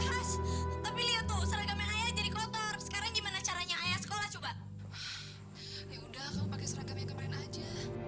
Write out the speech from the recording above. hai sudah pakai serangga kemarin aja itu biar kutuji